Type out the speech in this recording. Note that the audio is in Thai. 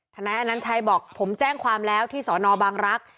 นายอนัญชัยบอกผมแจ้งความแล้วที่สอนอบางรักษ์